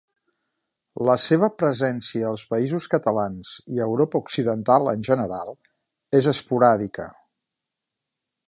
La seva presència als Països Catalans, i a Europa Occidental en general, és esporàdica.